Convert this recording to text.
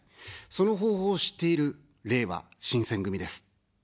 その方法を知っている、れいわ新選組です。